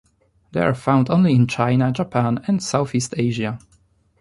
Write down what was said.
They are found only in China, Japan, and southeast Asia.